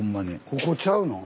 ここちゃうの？